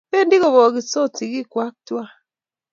Bendi kobokitsot sigikwak tuwai